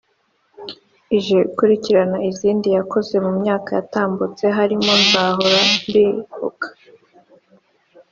ije ikurikira izindi yakoze mu myaka yatambutse harimo ’Nzahora Mbibuka’